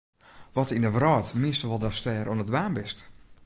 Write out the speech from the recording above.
Wat yn de wrâld miensto wol datst dêr oan it dwaan bist?